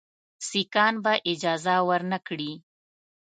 سیکهان به اجازه ورنه کړي.